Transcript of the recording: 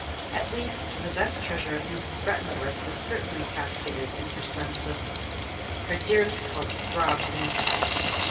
At least, the best treasure of Mrs. Bretton's life was certainly casketed in her son's bosom; her dearest pulse throbbed in his heart.